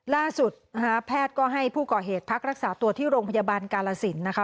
ล่าสุดนะฮะแพทย์ก็ให้ผู้ก่อเหตุพักรักษาตัวที่โรงพยาบาลกาลสินนะคะ